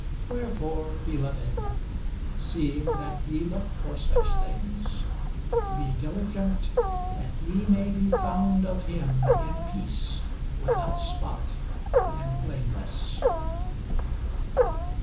Wherefore, beloved, seeing that ye look for such things, be diligent that ye may be found of him in peace, without spot, and blameless.